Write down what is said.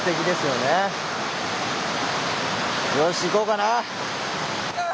よし行こうかな。